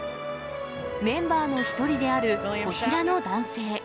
メンバーの一人である、こちらの男性。